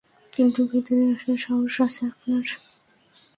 কিন্তু ভেতরে আসার সাহস আছে আপনার?